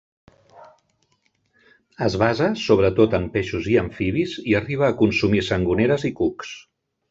Es basa sobretot en peixos i amfibis, i arriba a consumir sangoneres i cucs.